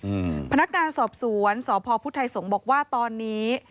อืมพนักงานสอบสวนสพพุทธไทยสงฆ์บอกว่าตอนนี้